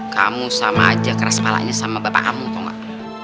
kamu sama aja keras palanya sama bapak kamu kok gak